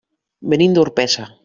Venim d'Orpesa.